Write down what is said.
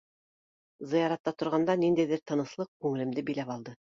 Зыяратта торғанда ниндәйҙер тыныслыҡ күңелемде биләп алды.